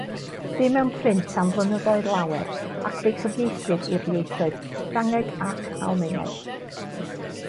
Bu mewn print am flynyddoedd lawer ac fe'i cyfieithwyd i'r ieithoedd Ffrangeg ac Almaeneg.